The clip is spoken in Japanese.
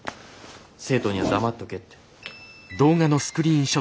生徒には黙っとけって。